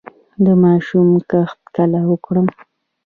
د ماشو کښت کله وکړم؟